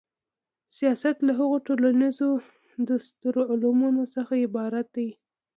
سیاست له هغو ټولیزو دستورالعملونو څخه عبارت دی.